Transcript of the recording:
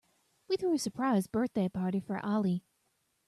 We threw a surprise birthday party for Ali.